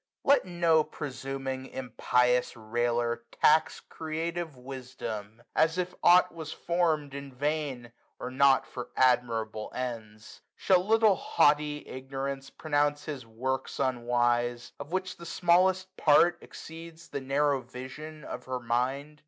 Let no presuming impious railer tax Creative Wisdom, as if aught was form'd In vain, or not for admirable ends. 320 Shall little haughty ignorance pronounce His works unwise, of which the smallest part Exceeds the narrow vision of her mind